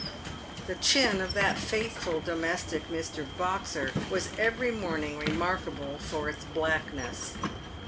The chin of that faithful domestic, Mr. Boxer, was every morning remarkable for its blackness.